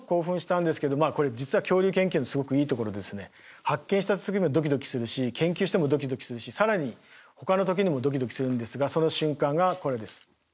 これ実は恐竜研究のすごくいいところで発見した時もドキドキするし研究してもドキドキするし更にほかの時にもドキドキするんですがその瞬間がこれです。